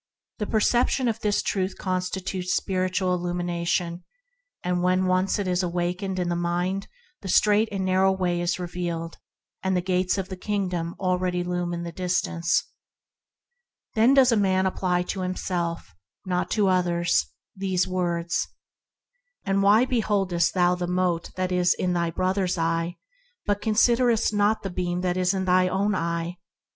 The perception of this truth constitutes spiritual illumination, and when once it is awakened in the mind, the strait and narrow way is revealed, and the shining Gates of the Kingdom already loom in the distance. Then does a man apply COMPETITIVE LAWS AND LAW OF LOVE 29 to himself — not to others — these words: "And why beholdest thou the mote that is in thy brother's eye, but considerest not the beam that is in thine own eye